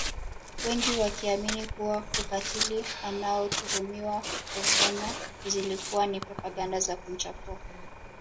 Wengi wakiamini kuwa ukatili anaotuhumiwa kuufanya zilikuwa ni propaganda za kumchafua